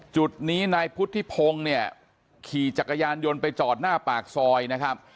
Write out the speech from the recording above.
จุดนี้นายพุทธิพงศ์เนี่ยขี่จักรยานยนต์ไปจอดหน้าปากซอยนะครับ